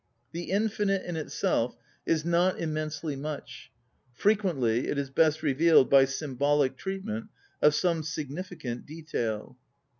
The infinite in itself is not im mensely much; frequently it is best revealed by symbolic treatment of some significant detail.